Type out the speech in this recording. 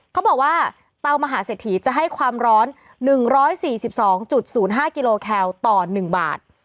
เขาบอกว่าเตามหาเศรษฐีจะให้ความร้อน๑๔๒๐๕กิโลแคลต่อ๑บาท